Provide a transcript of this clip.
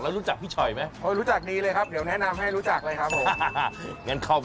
แล้วรู้จักพี่ช่อยไหมรู้จักดีเลยครับ